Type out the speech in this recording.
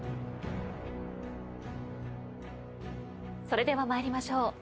それでは参りましょう。